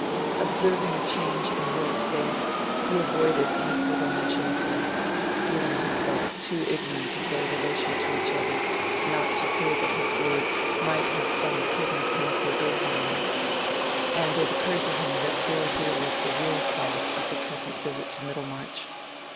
Observing a change in Will's face, he avoided any further mention of her, feeling himself too ignorant of their relation to each other not to fear that his words might have some hidden painful bearing on it. And it occurred to him that Dorothea was the real cause of the present visit to Middlemarch.